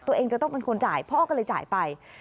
ตัวเองจะต้องเป็นคนจ่ายพ่อก็เลยจ่ายไป